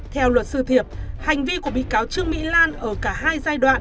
theo luật sư thiệp hành vi của bị cáo trương mỹ lan ở cả hai giai đoạn